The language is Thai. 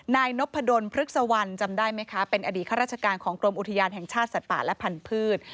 นายนพดลพฤกษวรรณจำได้ไหมคะเป็นอดีตข้าราชการของกรมอุทยานแห่งชาติสัตว์ป่าและพันธุ์